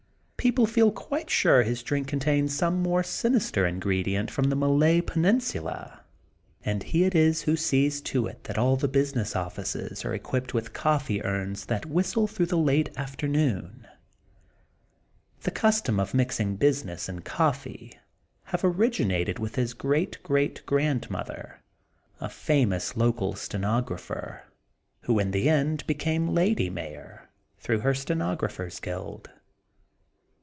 People feel quite sure his drink contains some more sinister ingredient from the Malay peninsula. And he it is who sees to it that all the business offices are equipped with coffee urns that whistle through the late afternoon: — ^the custom of nnixing business and coffee having originated with his great great grand mother, a famous local stenographer, who in the end became lady mayor, through her sten ographers ' guild.